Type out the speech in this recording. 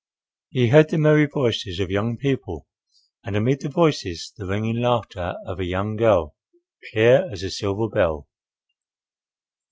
He heard the merry voices of young people, and amid the voices the ringing laughter of a young girl, clear as a silver bell.